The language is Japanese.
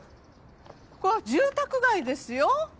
ここは住宅街ですよ。